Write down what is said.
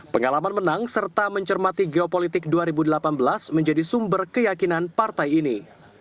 pengalaman menang serta mencermati geopolitik dua ribu delapan belas menjadi sumber keyakinan partai ini